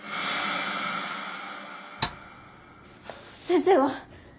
先生は？